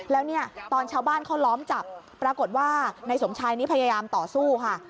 แล้วเนี่ยตอนชาวบ้านเขาล้อมจับปรากฏว่านายสมชายนี้พยายามต่อสู้ค่ะ